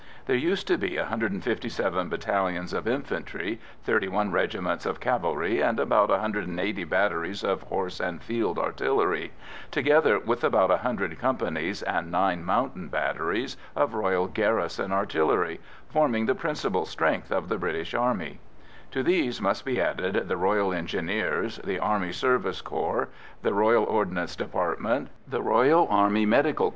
There used to be 157 battalions of infantry, 31 regiments of cavalry, and about 180 batteries of horse and field artillery, together with about 100 companies and 9 mountain batteries of Royal Garrison Artillery, forming the principal strength of the British Army. To these must be added the Royal Engineers, the Army Service Corps, the Royal Ordnance Department, the R.A.M.C.